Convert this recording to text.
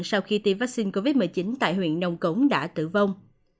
sau khi tiêm vaccine covid một mươi chín tại huyện nông cống đã tử vong